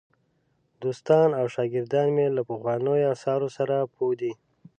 دوستان او شاګردان مې له پخوانیو آثارو سره پوه دي.